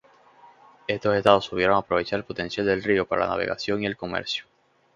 Estos estados supieron aprovechar el potencial del río para la navegación y el comercio.